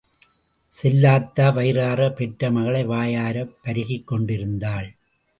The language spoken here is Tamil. செல்லாத்தா வயிறாற பெற்ற மகளை வாயாரப் பருகிக் கொண்டிருந்தாள்.